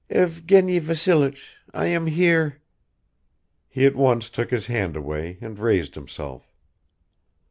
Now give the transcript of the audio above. "Evgeny Vassilich, I am here ..." He at once took his hand away and raised himself.